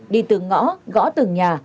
đi từ ngõ gõ từng nhà